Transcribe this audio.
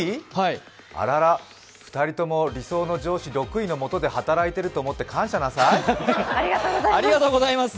あらら、２人とも理想の上司６位のもとで働いてると思って感謝なさい！